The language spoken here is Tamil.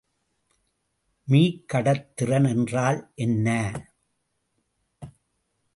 மீக்கடத்துதிறன் என்றால் என்ன?